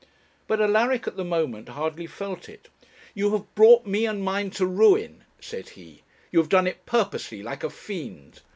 But Alaric, at the moment, hardly felt it. 'You have brought me and mine to ruin,' said he; 'you have done it purposely, like a fiend.